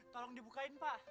tolong dibukain pak